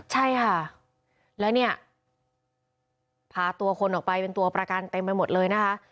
ใช่ค่ะแล้วเนี่ยพาตัวคนออกไปเป็นตัวประกันเต็มไปหมดเลยนะคะ